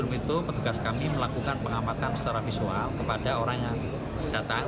di dalamnya penumpang itu petugas kami melakukan pengamatan secara visual kepada orang yang datang